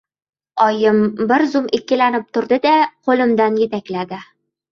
Oyim bir zum ikkilanib turdi-da, qo‘limdan yetakladi: